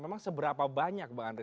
memang seberapa banyak bang andre